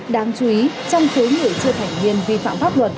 đáng chú ý trong số người chưa thành niên vi phạm pháp